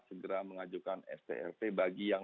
segera mengajukan strp bagi yang